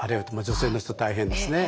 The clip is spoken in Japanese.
女性の人大変ですね。